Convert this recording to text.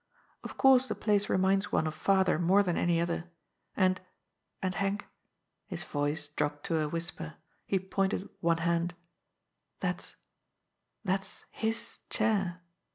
Of course the place reminds one of father more than any other. And — and, Henk," — his voice dropped to a whisper ; he pointed with one hand —" that's, that's his chair."